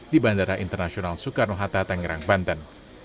di bandara internasional soekarno hatta tangerang banten